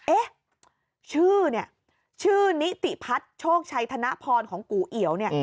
เอ๊ะชื่อเนี่ยชื่อนิติพัฒน์โชคชัยธนพรของกูเอียวเนี่ย